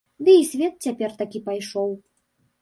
Ды і свет цяпер такі пайшоў.